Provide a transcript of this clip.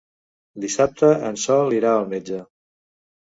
Dissabte en Sol irà al metge.